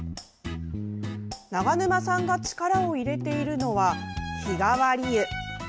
長沼さんが力を入れているのは日替わり湯。